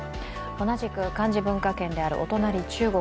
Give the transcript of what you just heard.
同じく漢字文化圏であるお隣、中国。